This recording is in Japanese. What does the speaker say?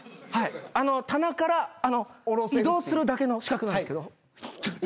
棚から移動するだけの資格なんですけど。